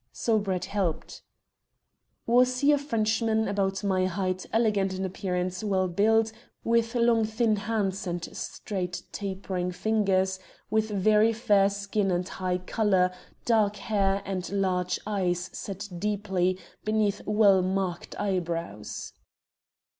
So Brett helped. "Was he a Frenchman, about my height, elegant in appearance, well built, with long thin hands and straight tapering fingers, with very fair skin and high colour, dark hair and large eyes set deeply beneath well marked eyebrows?"